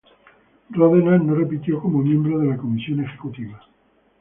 Ródenas no repitió como miembro de la Comisión Ejecutiva.